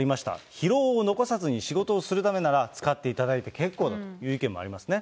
疲労を残さずに仕事をするためなら、使っていただいて結構だという意見もありますね。